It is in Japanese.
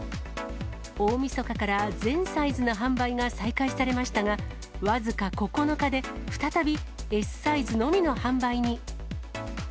大みそかから全サイズの販売が再開されましたが、僅か９日で再びＳサイズのみの販売に。